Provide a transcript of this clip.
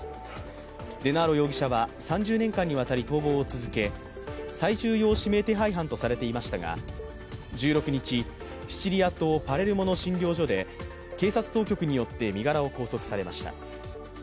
デナーロ容疑者は３０年間にわたり逃亡を続け最重要指名手配犯とされていましたが、１６日、シチリア島パレルモの診療所で警察当局によって身柄を拘束されました。